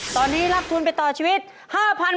ตอนนี้รับทุนไปต่อชีวิต๕๐๐๐บาท